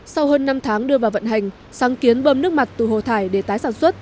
sau hơn năm tháng đưa vào vận hành sáng kiến bơm nước mặt từ hồ thải để tái sản xuất